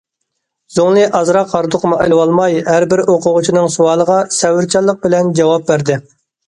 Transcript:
زۇڭلى ئازراق ھاردۇقمۇ ئېلىۋالماي، ھەر بىر ئوقۇغۇچىنىڭ سوئالىغا سەۋرچانلىق بىلەن جاۋاب بەردى.